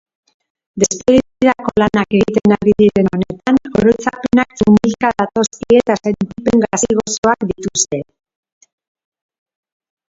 Despedidako lanak egiten ari diren honetan oroitzapenak trumilka datozkie eta sentipen gazi-gozoak dituzte.